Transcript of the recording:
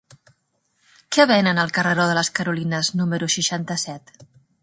Què venen al carreró de les Carolines número seixanta-set?